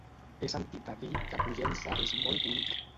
He sentit a dir que Pollença és molt bonic.